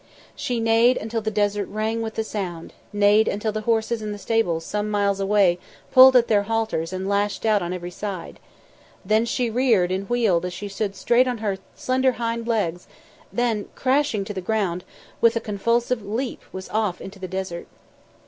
She neighed until the desert rang with the sound, neighed until the horses in the stables some miles away pulled at their halters and lashed out on every side; then she reared and wheeled as she stood straight on her slender hind legs, then, crashing to the ground, with a convulsive leap was off into the desert.